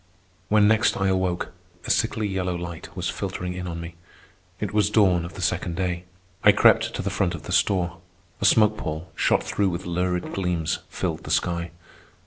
When next I awoke, a sickly yellow light was filtering in on me. It was dawn of the second day. I crept to the front of the store. A smoke pall, shot through with lurid gleams, filled the sky.